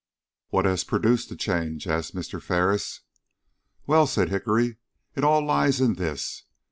"What has produced the change?" asked Mr. Ferris. "Well," said Hickory, "it all lies in this.